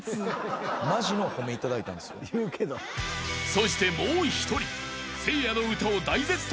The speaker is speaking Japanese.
［そしてもう１人］